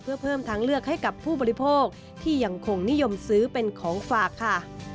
เพื่อเพิ่มทางเลือกให้กับผู้บริโภคที่ยังคงนิยมซื้อเป็นของฝากค่ะ